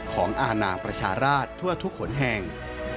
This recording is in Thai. อานางประชาราชทั่วทุกขนแห่ง